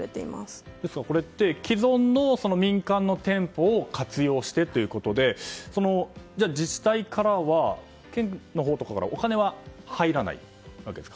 これは既存の民間の店舗を活用してということで自治体とか県のほうからはお金は入らないわけですか。